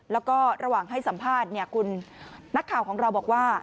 แล้วก็ระหว่างให้สัมภาษณ์คุณนักข่าวของเราบอกว่า